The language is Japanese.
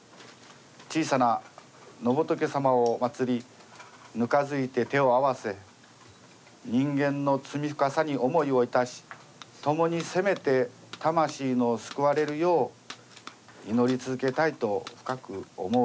小さな野仏様を祀りぬかずいて手をあわせ人間の罪深さに思いをいたし共にせめて魂の救われるよう祈り続けたいと深く思うのです」。